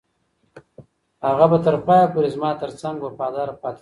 هغه به تر پایه پورې زما تر څنګ وفاداره پاتې شي.